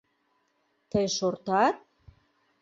— Тый шортат?